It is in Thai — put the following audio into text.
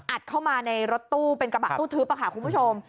เข้ามาในรถตู้เป็นกระบะตู้ทึบค่ะคุณผู้ชม